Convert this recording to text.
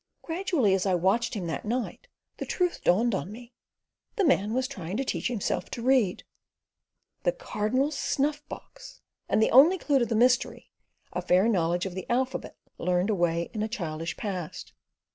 Gradually, as I watched him that night, the truth dawned on me: the man was trying to teach himself to read. The "Cardinal's Snuff box"! and the only clue to the mystery, a fair knowledge of the alphabet learned away in a childish past.